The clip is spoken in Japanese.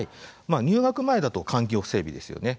入学前だと環境整備ですよね。